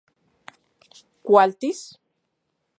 ¿Kualtis...?